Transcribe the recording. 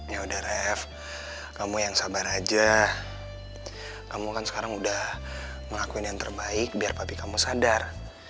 ya udah ref kamu yang sabar aja kamu kan sekarang udah ngelakuin yang terbaik biar publik kamu sadar